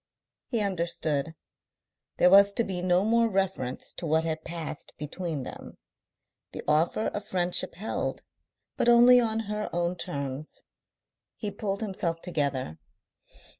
He understood. There was to be no more reference to what had passed between them. The offer of friendship held, but only on her own terms. He pulled himself together.